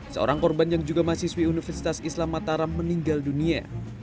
seorang korban yang juga mahasiswi universitas islam mataram meninggal dunia